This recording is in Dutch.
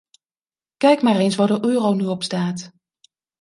Kijk maar eens waar de euro nu op staat.